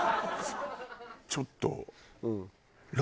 ちょっと。